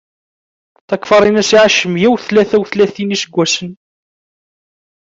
Takfarinas iɛac meyya u tlata u tlatin n iseggasen.